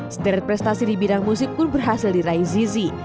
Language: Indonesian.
sederet prestasi di bidang musik pun berhasil diraih zizi